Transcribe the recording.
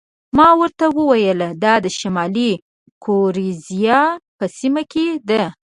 ما ورته وویل: دا د شمالي ګوریزیا په سیمه کې ده.